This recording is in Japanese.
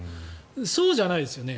そうじゃないですよね。